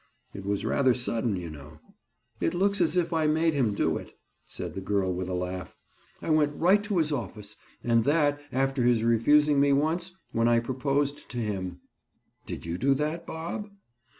It was rather sudden, you know." "It looks as if I made him do it," said the girl with a laugh. "I went right to his office, and that, after his refusing me once, when I proposed to him." "Did you do that, Bob?"